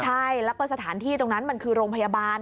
ใช่แล้วก็สถานที่ตรงนั้นมันคือโรงพยาบาล